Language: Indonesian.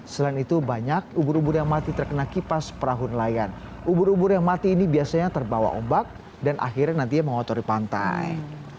selain itu banyak ubur ubur yang mati terkena kipas perahu nelayan ubur ubur yang mati ini biasanya terbawa ombak dan akhirnya nantinya mengotori pantai